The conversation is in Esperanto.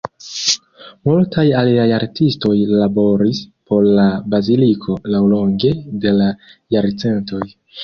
Multaj aliaj artistoj laboris por la baziliko laŭlonge de la jarcentoj.